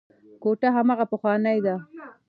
کوټه هماغه پخوانۍ ده.